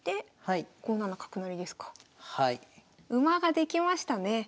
馬ができましたね。